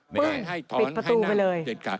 ปิดประตูไปเลย